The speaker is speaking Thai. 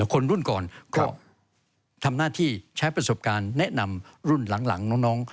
คนรุ่นก่อนก็ทำหน้าที่ใช้ประสบการณ์แนะนำรุ่นหลังน้อง